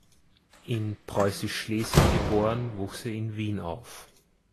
In Preußisch-Schlesien geboren, wuchs er in Wien auf.